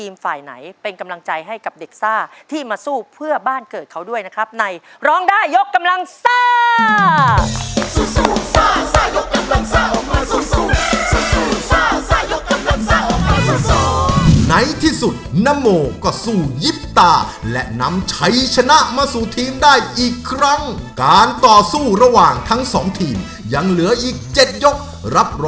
ไม่เป็นไรนะครับก็คราวหน้ายังมีอีกครับ